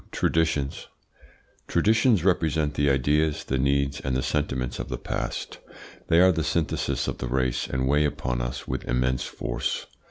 TRADITIONS Traditions represent the ideas, the needs, and the sentiments of the past. They are the synthesis of the race, and weigh upon us with immense force.